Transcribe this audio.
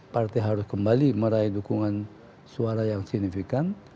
partai harus kembali meraih dukungan suara yang signifikan